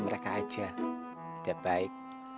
tidak tidak tidak